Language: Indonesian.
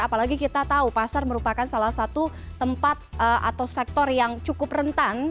apalagi kita tahu pasar merupakan salah satu tempat atau sektor yang cukup rentan